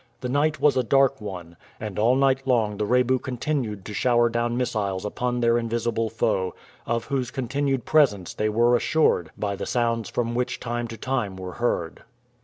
The night was a dark one, and all night long the Rebu continued to shower down missiles upon their invisible foe, of whose continued presence they were assured by the sounds which from time to time were heard.